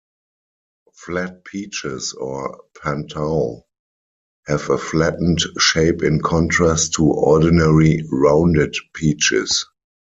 Flat peaches or "pan-tao" have a flattened shape in contrast to ordinary rounded peaches.